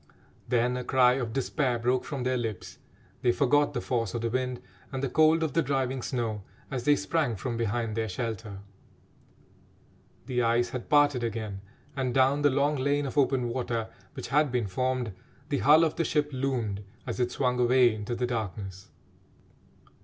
Then a cry of despair broke from their lips they forgot the force of the wind and the cold of the driving snow as they sprang from behind their shelter. The ice had parted again, and, down the long lane of open water which had been formed, the hull of the ship loomed as it swung away into the darkness.